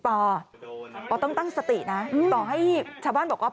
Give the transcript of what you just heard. ปอต้องตั้งสตินะต่อให้ชาวบ้านบอกว่า